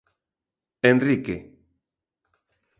Henrique.